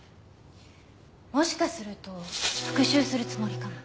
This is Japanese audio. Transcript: もしかすると復讐するつもりかも。